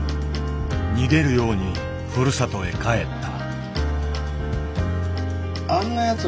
逃げるようにふるさとへ帰った。